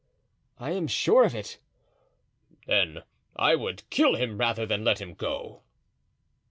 "I am sure of it." "Then I would kill him rather than let him go."